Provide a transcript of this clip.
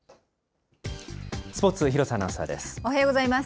スポーツ、廣瀬アナウンサーです。